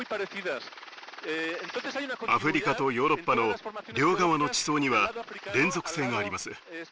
アフリカとヨーロッパの両側の地層には連続性があります。